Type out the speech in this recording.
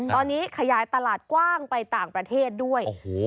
ตอนนี้ขยายตลาดกว้างไปต่างประเทศด้วย